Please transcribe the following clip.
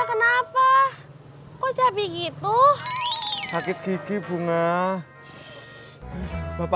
bapak aja menyeba di dalam